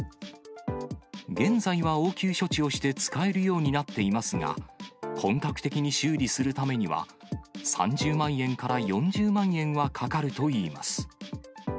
現在は応急処置をして、使えるようになっていますが、本格的に修理するためには、３０万円から４０万円はかかるといいます。